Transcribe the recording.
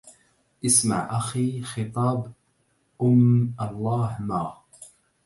إسمع أخي خطاب أم الله ما